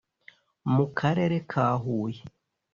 mu Karere ka Huye